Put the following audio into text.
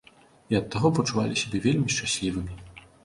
І ад таго пачувалі сябе вельмі шчаслівымі.